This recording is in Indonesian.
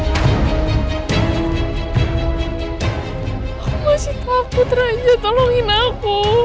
aku masih takut raja tolongin aku